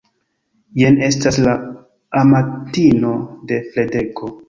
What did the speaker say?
Jen estas la amantino de Fradeko.